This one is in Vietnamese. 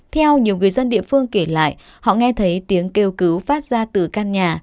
theo nhiều người dân địa phương kể lại họ nghe thấy tiếng kêu cứu phát ra từ căn nhà